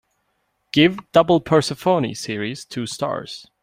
Give Double Persephone series two stars